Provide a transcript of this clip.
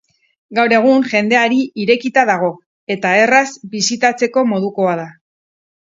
Gaur egun jendeari irekita dago, eta erraz bisitatzeko modukoa da.